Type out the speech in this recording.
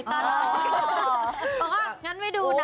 เพราะว่างั้นไปดูนะ